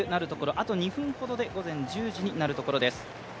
あと２分ほどで午前１０時になるところです。